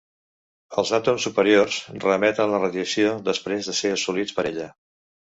Els àtoms superiors reemeten la radiació després de ser assolits per ella.